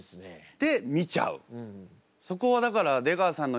で見ちゃう。